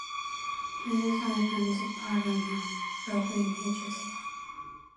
문서를 편집하려면 로그인해 주세요.